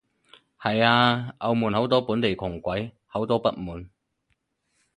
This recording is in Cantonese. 係啊，澳門好多本地窮鬼，好多不滿